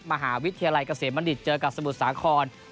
มหาวิทยาลัยเกษมบัณฑิตเจอกับสมุทรสาคร